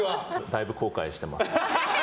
だいぶ後悔してます。